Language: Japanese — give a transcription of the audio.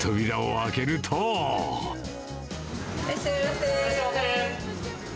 いらっしゃいませ。